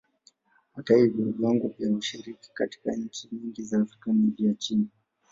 Hata hivyo, viwango vya ushiriki katika nchi nyingi za Afrika ni vya chini.